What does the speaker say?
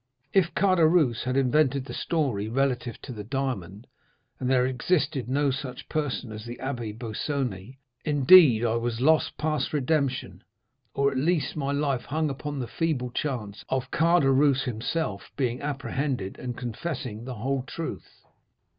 "If Caderousse had invented the story relative to the diamond, and there existed no such person as the Abbé Busoni, then, indeed, I was lost past redemption, or, at least, my life hung upon the feeble chance of Caderousse himself being apprehended and confessing the whole truth.